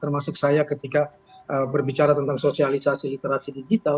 termasuk saya ketika berbicara tentang sosialisasi